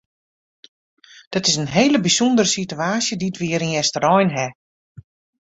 Dat is in hele bysûndere situaasje dy't we hjir yn Easterein ha.